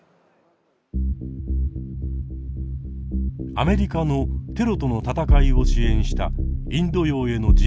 アメリカのテロとの戦いを支援したインド洋への自衛隊派遣。